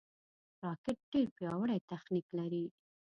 راکټ ډېر پیاوړی تخنیک لري